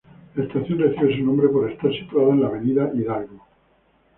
La estación recibe su nombre por estar situada en la Avenida Hidalgo.